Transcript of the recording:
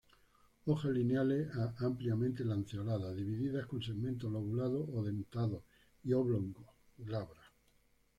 Hojas lineales a ampliamente lanceoladas, divididas con segmentos lobulados o dentados y oblongos, glabras.